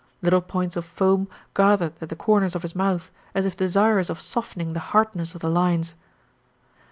Little points of foam gathered at the corners of his mouth, as if desirous of softening the hardness of the lines.